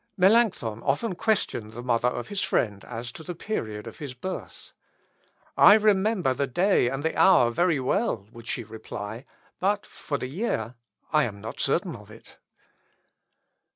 Melancthon often questioned the mother of his friend as to the period of his birth. "I remember the day and the hour very well," would she reply; "but for the year, I am not certain of it."